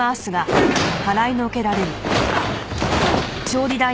あっ！